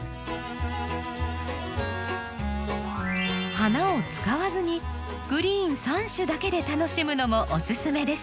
花を使わずにグリーン３種だけで楽しむのもおすすめです。